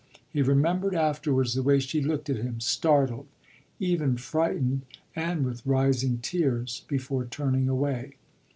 He remembered afterwards the way she looked at him startled, even frightened and with rising tears before turning away.